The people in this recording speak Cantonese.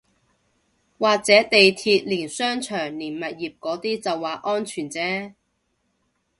或者地鐵連商場連物業嗰啲就話安全啫